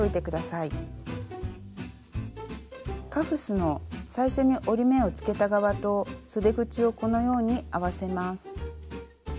カフスの最初に折り目をつけた側とそで口をこのように合わせます。